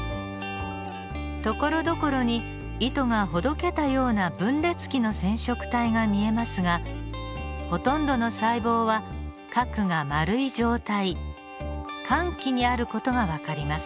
ところどころに糸がほどけたような分裂期の染色体が見えますがほとんどの細胞は核が丸い状態間期にある事が分かります。